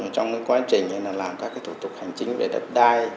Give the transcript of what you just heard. trong cái quá trình làm các cái thủ tục hành chính về đất đai